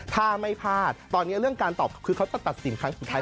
ถ้าไม่พลาดตอนนี้เรื่องการตอบคือเขาจะตัดสินครั้งสุดท้าย